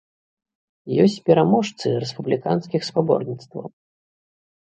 Ёсць пераможцы рэспубліканскіх спаборніцтваў.